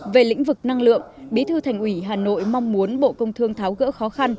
về lĩnh vực năng lượng bí thư thành ủy hà nội mong muốn bộ công thương tháo gỡ khó khăn